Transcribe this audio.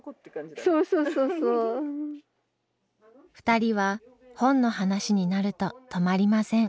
２人は本の話になると止まりません。